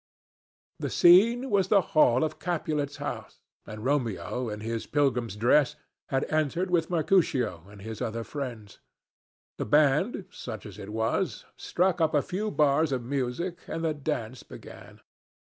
The scene was the hall of Capulet's house, and Romeo in his pilgrim's dress had entered with Mercutio and his other friends. The band, such as it was, struck up a few bars of music, and the dance began.